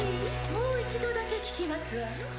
もう一度だけ聞きますわよ